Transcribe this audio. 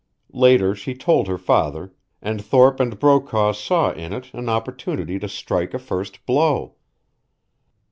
Later she told her father, and Thorpe and Brokaw saw in it an opportunity to strike a first blow.